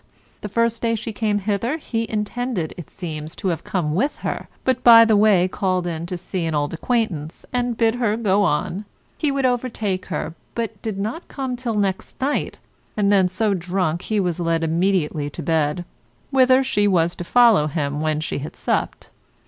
The first day she came hither he intended, it seems, to have come with her, but by the way called in to see an old acquaintance, and bid her go on, he would overtake her, but did not come till next night, and then so drunk he was led immediately to bed, whither she was to follow him when she had supped.